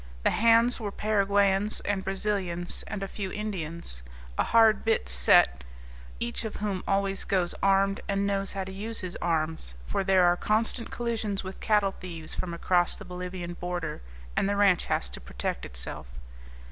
The hands were Paraguayans and Brazilians, and a few Indians a hard bit set, each of whom always goes armed and knows how to use his arms, for there are constant collisions with cattle thieves from across the Bolivian border, and the ranch has to protect itself.